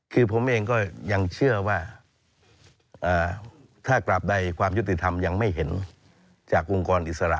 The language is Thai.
คือผมเองก็ยังเชื่อว่าถ้าตราบใดความยุติธรรมยังไม่เห็นจากองค์กรอิสระ